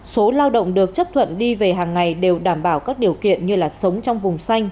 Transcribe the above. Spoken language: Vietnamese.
số lao động được chấp thuận đi về hàng ngày đều đảm bảo các điều kiện như sống trong vùng xanh